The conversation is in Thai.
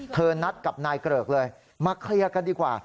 นัดกับนายเกริกเลยมาเคลียร์กันดีกว่า